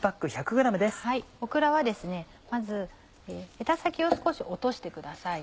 オクラはまずヘタ先を少し落としてください。